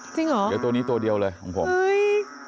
จริงเหรอเดี๋ยวตัวนี้ตัวเดียวเลยของผมเฮ้ย